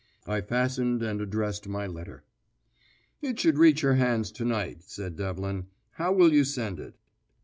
I fastened and addressed my letter. "It should reach her hands to night," said Devlin. "How will you send it?"